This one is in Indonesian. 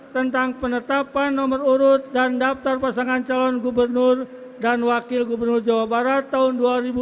tentang penetapan nomor urut dan daftar pasangan calon gubernur dan wakil gubernur jawa barat tahun dua ribu dua puluh